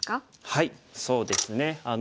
はいそうですね。